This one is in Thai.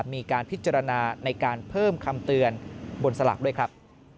มีการพิจารณาในการเพิ่มคำเตือนบนสลากด้วยครับ